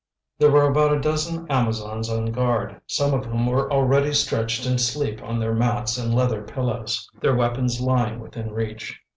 There were about a dozen Amazons on guard, some of whom were already stretched in sleep on their mats and leather pillows, their weapons lying within reach.